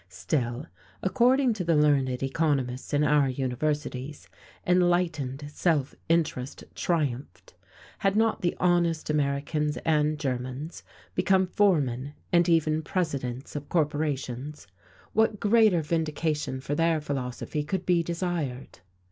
Still according to the learned economists in our universities, enlightened self interest triumphed. Had not the honest Americans and Germans become foremen and even presidents of corporations? What greater vindication for their philosophy could be desired?